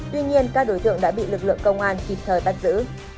tuy nhiên các đối tượng đã bị lực lượng công an kịp thời bắt giữ